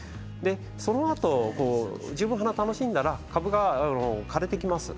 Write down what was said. そのあと十分花を楽しんだら株が枯れてきます。